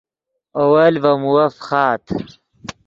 اول ڤے مووف فخآت